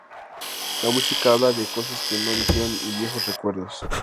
La música habla de cosas que no se dijeron y viejos recuerdos.